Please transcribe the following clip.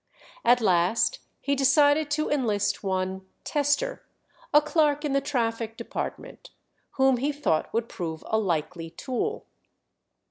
At last he decided to enlist one Tester, a clerk in the traffic department, whom he thought would prove a likely tool.